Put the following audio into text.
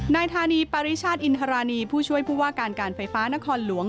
นายธานีปริชาติอินทรานีผู้ช่วยผู้ว่าการการไฟฟ้านครหลวง